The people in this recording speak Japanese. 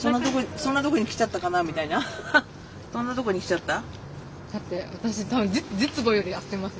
そんなとこに来ちゃった。